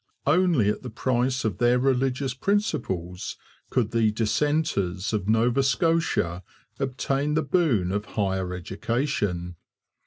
Only at the price of their religious principles could the 'dissenters' of Nova Scotia obtain the boon of higher education.